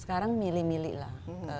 sekarang milih milih lah